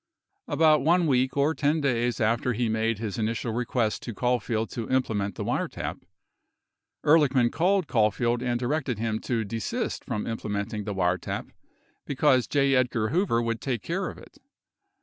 .... About 1 week or 10 days after he made his initial request to Caul field to implement the wiretap, Ehrlichman called Caulfield and di rected him to desist from implementing the wiretap because J. Edgar Hoover would take care of it.